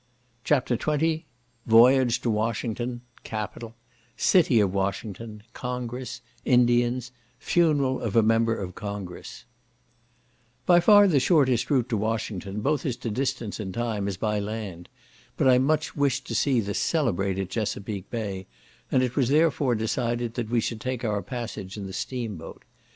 CHAPTER XX Voyage to Washington—Capitol—City of Washington—Congress—Indians—Funeral of a Member of Congress By far the shortest route to Washington, both as to distance and time, is by land; but I much wished to see the celebrated Chesapeak bay, and it was therefore decided that we should take our passage in the steam boat.